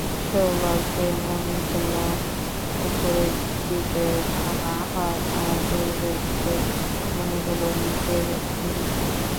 সৌভাগ্যের মণিগুলো ওপরের দিকে ভাঙ্গা হয়, আর দুর্ভাগ্যের মণিগুলো নিচের দিকে।